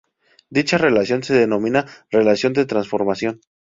Dicha relación se denomina relación de transformación.